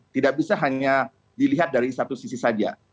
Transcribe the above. tidak bisa hanya dilihat dari satu sisi saja